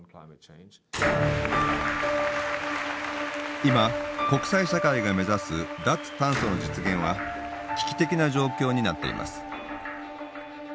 今国際社会が目指す脱炭素の実現は危機的な状況になっています。